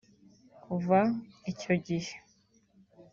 Kuva icyo gihe